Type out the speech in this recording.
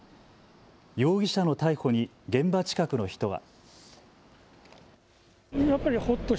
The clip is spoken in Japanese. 容疑者の逮捕に現場近くの人は。